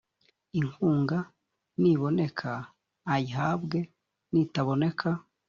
inkunga niboneka ayihabwe nitaboneka